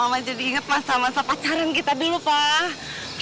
mama jadi ingat masa masa pacaran kita dulu pak